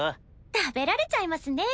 食べられちゃいますね。